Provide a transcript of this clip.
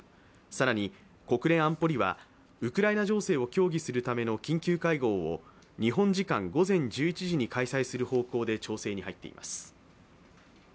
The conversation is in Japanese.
更に国連安保理はウクライナ情勢を協議するための緊急会合を日本時間午前１１時に開催する方向で調整に入っています。